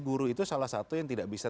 guru itu salah satu yang tidak bisa